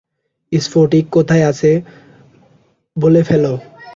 স্ফটিক কোথায় আছে, বলে ফেলো।